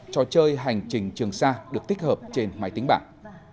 trò chơi hành trình trường sa được tích hợp trên máy tính bảng